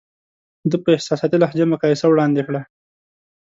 ده په احساساتي لهجه مقایسه وړاندې کړه.